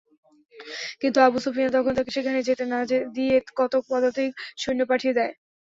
কিন্তু Abu Sufyan তখন তাকে সেখানে যেতে না দিয়ে কতক পদাতিক সৈন্য পাঠিয়ে দেয়।